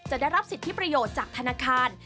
ได้รับสิทธิประโยชน์จากธนาคาร